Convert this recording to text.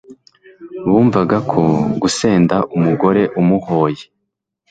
bumvaga ko gusenda umugore umuhoye